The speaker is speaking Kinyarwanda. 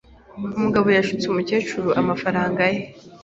Umugabo yashutse umukecuru amafaranga ye.